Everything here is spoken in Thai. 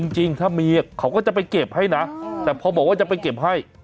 จริงถ้ามีเขาก็จะไปเก็บให้นะแต่พอบอกว่าจะไปเก็บให้